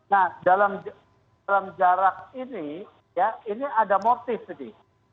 nah dalam jarak ini ya ini ada motif tadi